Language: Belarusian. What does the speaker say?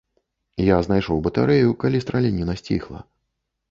Я знайшоў батарэю, калі страляніна сціхла.